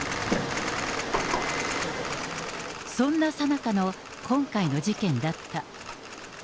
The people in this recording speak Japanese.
そんなさなかの今回の事件だった。